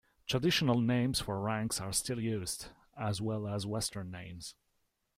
Traditional names for ranks are still used, as well as Western names.